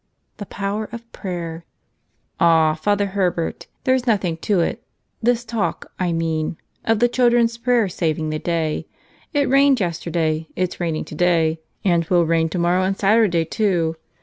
29 Clje Poltiet of Proper HH, FATHER HERBERT, there's nothing to it — this talk, I mean, of the children's prayer saving the day. It rained yesterday; it's raining today ; and 'twill rain tomorrow and Saturday, too.